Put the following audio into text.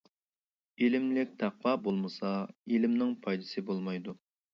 ئىلىملىك تەقۋا بولمىسا، ئىلىمنىڭ پايدىسى بولمايدۇ.